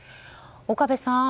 岡部さん